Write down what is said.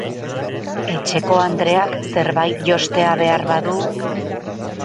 Etxekoandreak zerbait jostea behar badu...